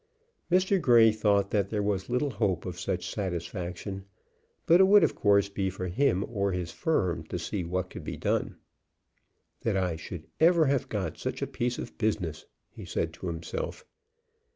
Mr. Grey thought that there was little hope of such satisfaction; but it would of course be for him or his firm to see what could be done. "That I should ever have got such a piece of business!" he said to himself.